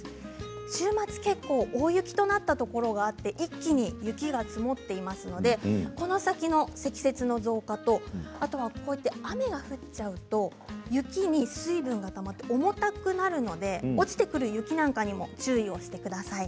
週末、結構大雪となったところがあって一気に雪が積もっていますのでこの先の積雪の増加とあとは雨が降ってしまいますと雪に水分がたまって重たくなってしまいますので落ちてくる雪なんかにも注意してください。